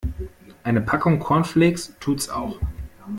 Eine Packung Cornflakes tut's auch.